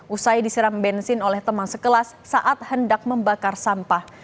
usai disiram bensin oleh teman sekelas saat hendak membakar sampah